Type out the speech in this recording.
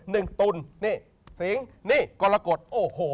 ตุลนี่สิงนี่กรกฎโอ้โห